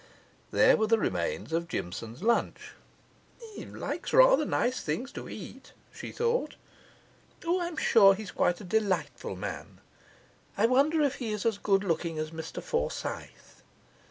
There were the remains of Jimson's lunch. 'He likes rather nice things to eat,' she thought. 'O, I am sure he is quite a delightful man. I wonder if he is as good looking as Mr Forsyth.